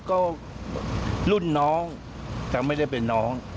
ก็รุ่นน้องแต่ไม่ได้เป็นน้อง